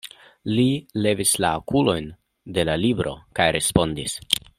Li levis la okulojn de la libro kaj respondis: